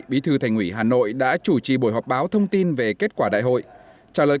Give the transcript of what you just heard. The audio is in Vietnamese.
bí thư thành ủy hà nội đã chủ trì buổi họp báo thông tin về kết quả đại hội